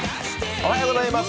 おはようございます。